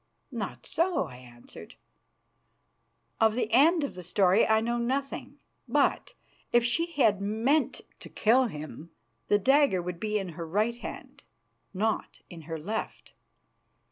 "Not so," I answered. "Of the end of the story I know nothing, but, if she had meant to kill him, the dagger would be in her right hand, not in her left."